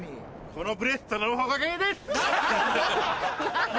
このブレスレットのおかげです！